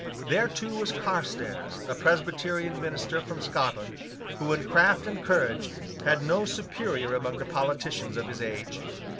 There too was Carstairs, a presbyterian minister from Scotland, who in craft and courage had no superior among the politicians of his age.